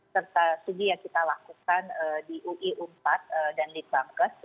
serta studi yang kita lakukan di ui empat dan di bangkes